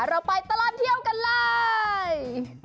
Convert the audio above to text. เราไปตลอดเที่ยวกันเลย